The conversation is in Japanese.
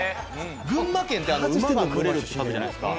群馬県って馬が群れるって書くじゃないですか。